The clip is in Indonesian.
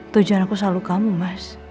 tujuan aku selalu kamu mas